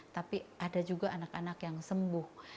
tapi ada juga anak anak yang sembuh